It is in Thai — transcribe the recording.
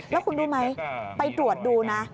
แล้วคุณรู้ไหมไปตรวจดูนะ